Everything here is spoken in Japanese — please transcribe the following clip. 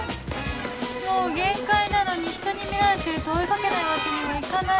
もう限界なのにひとに見られてると追い掛けないわけにはいかない